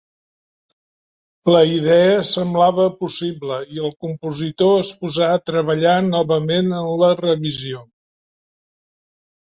La idea semblava possible i el compositor es posà a treballar novament en la revisió.